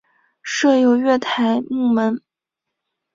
设有月台幕门。